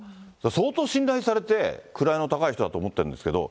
相当信頼されて、位の高い人だと思ってるんですけど。